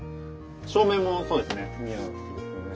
照明もそうですね。